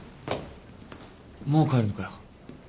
もう帰るのかよ。